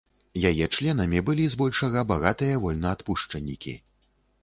Яе членамі былі з большага багатыя вольнаадпушчанікі.